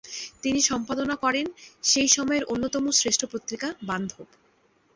তিনি সম্পাদনা করেন সেই সময়ের অন্যতম শ্রেষ্ঠ পত্রিকা "বান্ধব"।